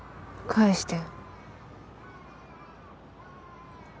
返して！